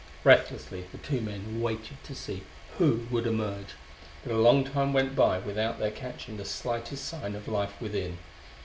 Breathlessly the two men waited to see who would emerge, but a long time went by without their catching the slightest sign of life within.